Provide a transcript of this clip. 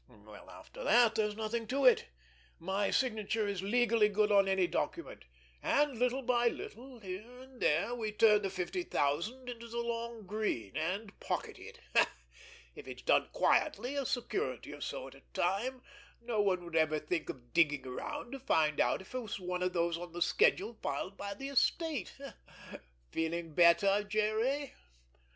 Well, after that, there's nothing to it! My signature is legally good on any document, and little by little, here and there, we turn the fifty thousand into the long green—and pocket it. If it's done quietly, a security or so at a time, no one would ever think of digging around to find out if it was one of those on the schedule filed by the estate. Feeling better, Jerry?"